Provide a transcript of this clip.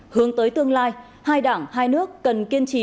hướng tới tương lai hai đảng hai nước cần kiên trì